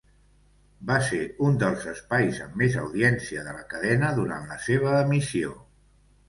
Va ser un dels espais amb més audiència de la cadena durant la seva emissió.